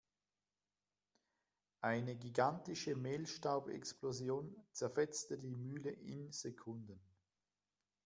Eine gigantische Mehlstaubexplosion zerfetzte die Mühle in Sekunden.